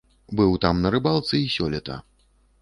Быў там на рыбалцы і сёлета.